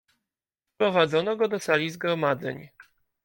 "Wprowadzono go do sali zgromadzeń."